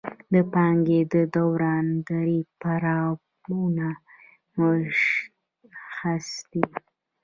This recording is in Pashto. د پانګې د دوران درې پړاوونه مشخص دي